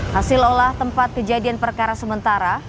hasil olah tempat kejadian perkara sementara